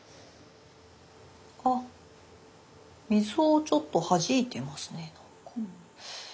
あ水をちょっとはじいてますね。